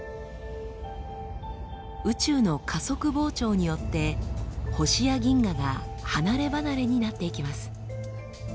宇宙の加速膨張によって星や銀河が離れ離れになっていきます。